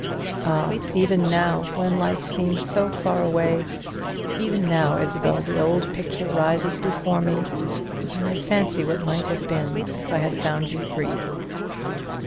Ah, even now, when life seems so far away; even now, Isabel, the old picture rises before me, and I fancy what might have been if I had found you free."